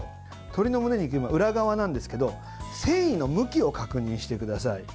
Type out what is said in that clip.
鶏のむね肉今は裏側なんですけど繊維の向きを確認してください。